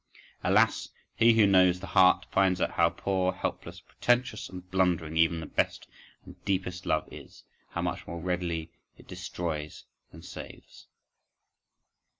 Alas, he who knows the heart finds out how poor, helpless, pretentious, and blundering even the best and deepest love is—how much more readily it destroys than saves.